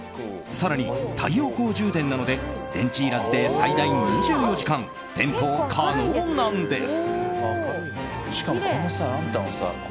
更に太陽光充電なので電池いらずで最大２４時間、点灯可能なんです。